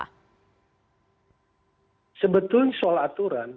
untuk menentukan soal aturan